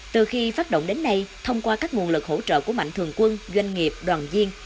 từ khi phát động đến nay thông qua các nguồn lực hỗ trợ của mạnh thường quân doanh nghiệp đoàn viên